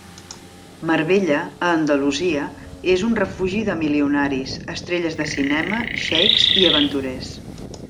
Marbella, a Andalusia, és un refugi de milionaris, estrelles de cinema, xeics i aventurers.